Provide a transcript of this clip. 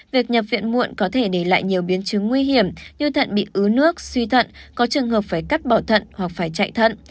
việc nhập viện muộn có thể để lại nhiều biến chứng nguy hiểm như thận bị ứ nước suy thận có trường hợp phải cắt bỏ thận hoặc phải chạy thận